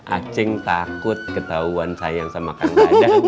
acing takut ketauan sayang sama kan dadang